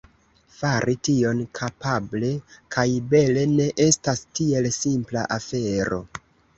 Fari tion kapable kaj bele ne estas tiel simpla afero.